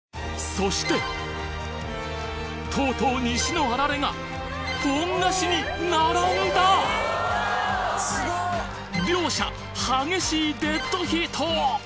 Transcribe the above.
そしてとうとう西のあられがポン菓子に並んだ！両者激しいデッドヒート！